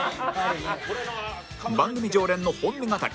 番組常連の本音語り